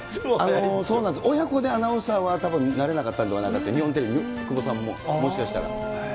そうなんです、親子でアナウンサーはたぶんなれなかったんではないかと、日本テレビ、久保さんももしかしたら。